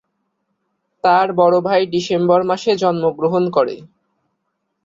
তার বড় ভাই ডিসেম্বর মাসে জন্মগ্রহণ করে।